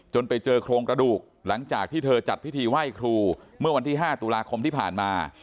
ไปเจอโครงกระดูกหลังจากที่เธอจัดพิธีไหว้ครูเมื่อวันที่๕ตุลาคมที่ผ่านมา